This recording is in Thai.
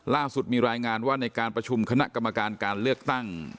ล่าสุดมีรายงานว่าในการประชุมคณะกรรมการการเลือกตั้ง